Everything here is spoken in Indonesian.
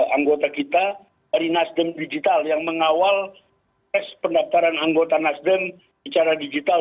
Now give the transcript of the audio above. anggota kita dari nasdem digital yang mengawal tes pendaftaran anggota nasdem secara digital